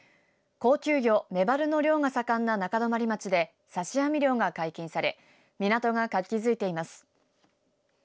高級魚、メバルの漁が盛んな中泊町で刺し網漁が解禁され港が活気づいています。